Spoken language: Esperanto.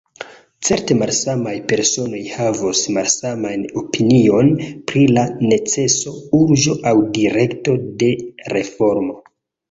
Certe malsamaj personoj havos malsamajn opiniojn pri la neceso, urĝo aŭ direkto de reformo.